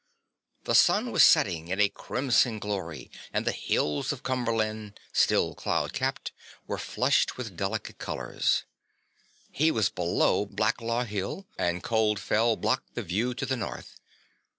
The sun was setting in a crimson glory and the hills of Cumberland, still cloud capped, were flushed with delicate colours. He was below Blacklaw Hill, and Cold Fell blocked the view to the north.